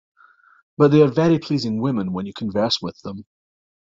But they are very pleasing women when you converse with them.